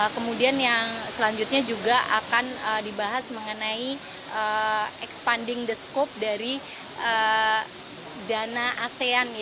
kemudian yang selanjutnya juga akan dibahas mengenai expending the scope dari dana asean